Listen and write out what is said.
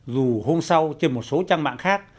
dù hôm sau trên một số trang mạng khác